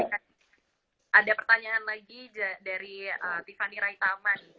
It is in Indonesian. nah ada pertanyaan lagi dari tiffany raitaman